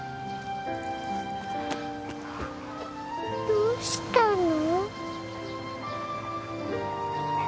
どうしたの？